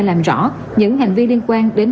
làm rõ những hành vi liên quan đến